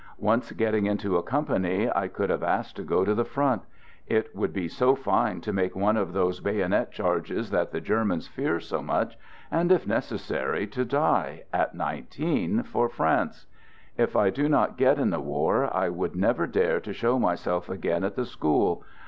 Once getting into a company, I could have asked to go to the front. It would be so fine to make one of those bayonet charges that the Germans fear so much, and if nec essary to die — at nineteen — for France ! If I do not get in the war, I would never dare to show myself again at the school.